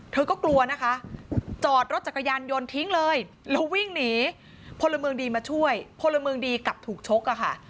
เธอก็กลัวนะคะจอดรถจักรยานยนต์ทิ้งเลยแล้ววิ่งหนีพลเมืองดีมาช่วยพลเมืองดีกลับถูกชกอะค่ะ